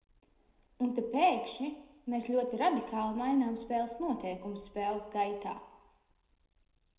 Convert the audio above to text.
Un te pēkšņi mēs ļoti radikāli mainām spēles noteikumus spēles gaitā!